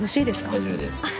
大丈夫です。